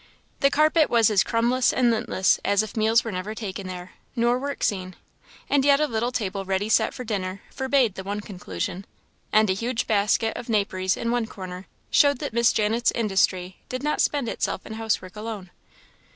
The carpet was as crumbless and lintless as if meals were never taken there, nor work seen; and yet a little table ready set for dinner forbade the one conclusion, and a huge basket of naperies in one corner showed that Miss Janet's industry did not spend itself in housework alone.